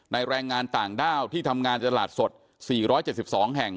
แรงงานต่างด้าวที่ทำงานตลาดสด๔๗๒แห่ง